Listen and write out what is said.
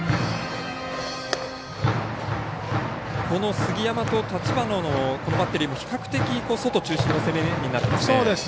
杉山と立花のバッテリーも比較的、外中心の攻めになりましたね。